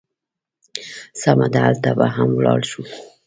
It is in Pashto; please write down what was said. سمه ده، هلته به هم ولاړ شو.